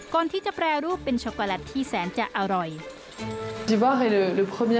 ก่อนที่จะแปรรูปเป็นช็อกโกแลตที่แสนจะอร่อย